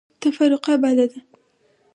تفرقه بده ده.